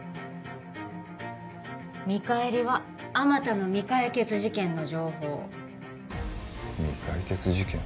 見返りはあまたの未解決事件の情報未解決事件？